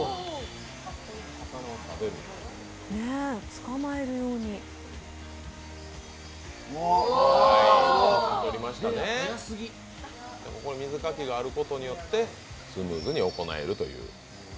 捕まえるように水かきがあることによって、スムーズに行えるという。